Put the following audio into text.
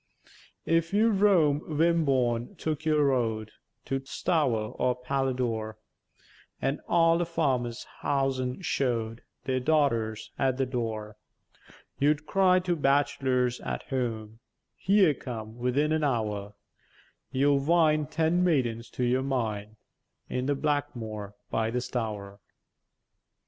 If you vrom Wimborne took your road, To Stower or Paladore, An' all the farmers' housen show'd Their daughters at the door; You'd cry to bachelors at hwome "Here, come: 'ithin an hour You'll vind ten maidens to your mind, In Blackmwore by the Stour."